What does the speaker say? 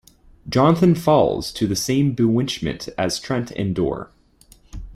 Jonathan falls to the same bewitchment as Trent and Dor.